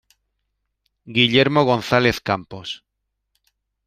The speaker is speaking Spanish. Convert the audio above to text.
Guillermo González Campos.